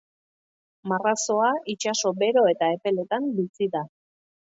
Marrazoa itsaso bero edo epeletan bizi da.